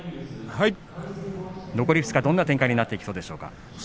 残り２日、どんな展開になってきそうでしょうか。